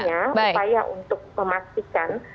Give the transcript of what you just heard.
upaya untuk memastikan